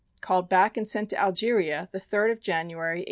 Called back and sent to Algeria, the 3rd of January, 1893.